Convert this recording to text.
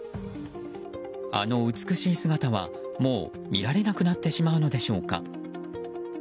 あの美しい姿はもう見られなくなってしまうのでしょうか。